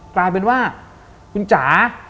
กลายเป็นว่าคุณจ๋า